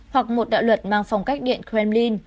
hoặc một đạo luật mang phong cách điện kremlin